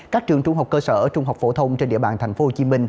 các trường trung học cơ sở trung học phổ thông trên địa bàn tp hcm